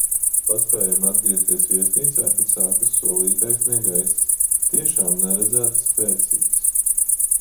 Paspējam atgriezties viesnīcā, kad sākas solītais negaiss - tiešām neredzēti spēcīgs.